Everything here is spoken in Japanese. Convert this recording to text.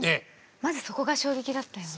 まずそこが衝撃だったよね。